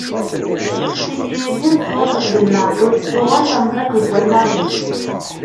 Tikta-agi n ṣwab akked lmeɛqul uɣent amḍiq deg wallaɣ-iw.